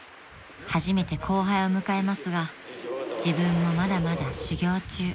［初めて後輩を迎えますが自分もまだまだ修業中］